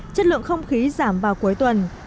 chất lượng không khí giảm vào cuối tuần